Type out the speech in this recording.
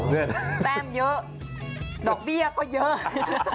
แต้มเยอะดอกเบี้ยก็เยอะ